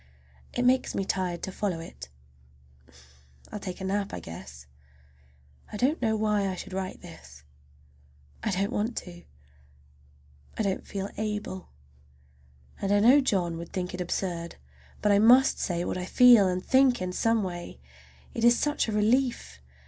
It makes me tired to follow it. I will take a nap, I guess. I don't know why I should write this. I don't want to. I don't feel able. And I know John would think it absurd. But I must say what I feel and think in some way—it is such a relief!